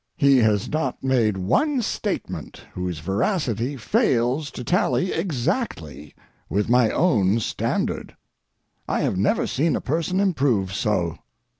He has not made one statement whose veracity fails to tally exactly with my own standard. I have never seen a person improve so.